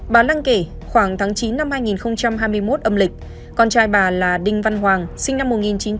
bà năng kể khoảng tháng chín năm hai nghìn hai mươi một âm lịch con trai bà là đinh văn hoàng sinh năm một nghìn chín trăm tám mươi